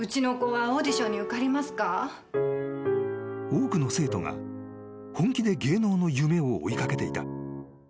［多くの生徒が本気で芸能の夢を追い掛けていた］